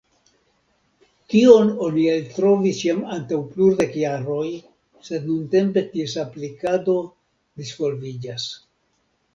Tion oni eltrovis jam antaŭ plurdek jaroj, sed nuntempe ties aplikado disvolviĝas.